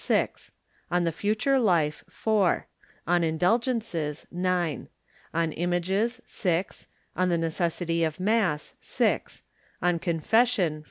6 On the Future Life .. 4 On Indulgences ... 9 On Images 6 On the Necessity of Mass 6 On Confession